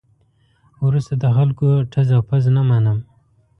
وروسته د خلکو ټز او پز نه منم.